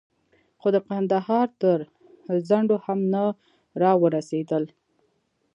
خو د کندهار تر څنډو هم نه را ورسېدل.